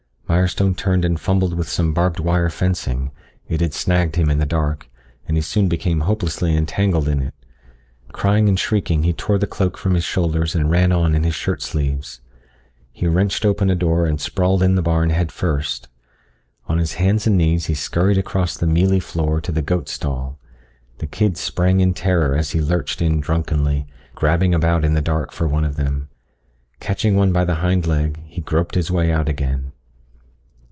Mirestone turned and fumbled with some barbed wire fencing. It had snagged him in the dark, and he soon became hopelessly entangled in it. Crying and shrieking, he tore the cloak from his shoulders and ran on in his shirt sleeves. He wrenched open a door and sprawled in the barn head first. On his hands and knees he scurried across the mealy floor to the goat stall. The kids sprang in terror as he lurched in drunkenly, grabbing about in the dark for one of them. Catching one by the hind leg, he groped his way out again.